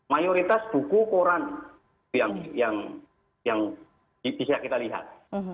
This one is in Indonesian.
mayoritas buku koran yang yang yang bisa kita lihat